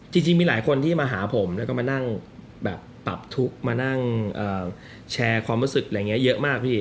จริงมีหลายคนที่มาหาผมแล้วก็มานั่งแบบปรับทุกข์มานั่งแชร์ความรู้สึกอะไรอย่างนี้เยอะมากพี่